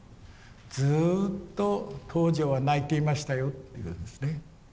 ずうっと東條は泣いていましたよって言うんですね。